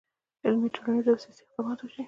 علمي، ټولنیز، او سیاسي اقدامات وشي.